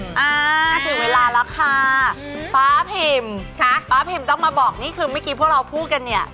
อ่าถึงเวลาแล้วค่ะป๊าพิมป๊าพิมต้องมาบอกนี่คือเมื่อกี้พวกเราพูดกันเนี่ย